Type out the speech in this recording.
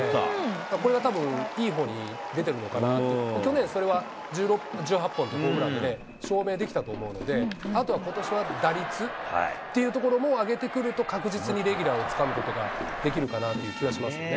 これがたぶん、いいほうに出てるのかなって、去年それは１８本と、ホームランで証明できたと思うので、あとはことしは打率っていうところも上げてくると、確実にレギュラーをつかむことができるかなという気がしますよね。